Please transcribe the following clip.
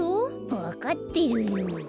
わかってるよ。